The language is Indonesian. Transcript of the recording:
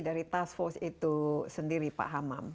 dari task force itu sendiri pak hamam